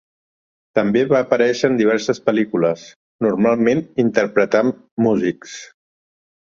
També va aparèixer en diverses pel·lícules, normalment interpretant músics.